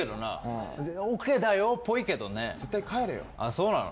そうなの？